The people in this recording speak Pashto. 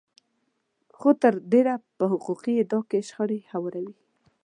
خو تر ډېره په حقوقي ادعا کې شخړې هواروي.